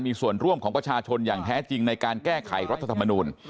มีส่วนร่วมของประชาชนอย่างแท้จริงในการแก้ไขรัฐธรรมนูล